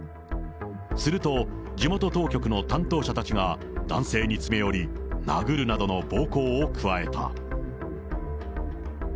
すると、地元当局の担当者たちが、男性に詰め寄り、殴るなどの暴行を加えた。